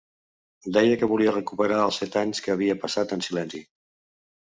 Deia que volia recuperar els set anys que havia passat en silenci.